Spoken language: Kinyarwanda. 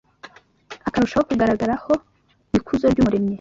akarushaho kugaragaraho ikuzo ry’Umuremyi.